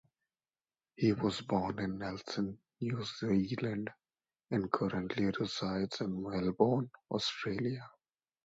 He was born in Nelson, New Zealand and currently resides in Melbourne, Australia.